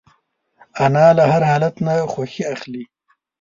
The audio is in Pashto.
انا له هر حالت نه خوښي اخلي